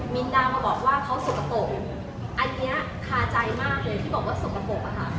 มีนดามาบอกว่าเขาสกปรกอันนี้คาใจมากเลยที่บอกว่าสกปรกอะค่ะ